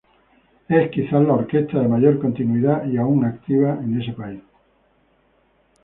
Es, quizás, la orquesta de mayor continuidad y aún activa en ese país.